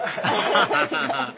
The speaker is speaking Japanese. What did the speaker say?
アハハハ！